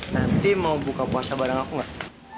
nanti mau buka puasa bareng aku nggak